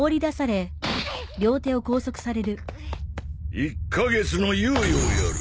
１カ月の猶予をやる。